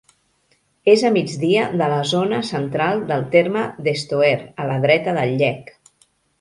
És a migdia de la zona central del terme d'Estoer, a la dreta del Llec.